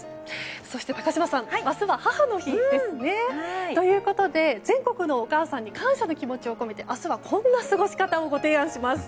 そして、明日は母の日ですね。ということで全国のお母さんに感謝の気持ちを込めて明日は、こんな過ごし方をご提案します。